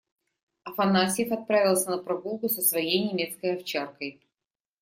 Афанасьев отправился на прогулку со своей немецкой овчаркой.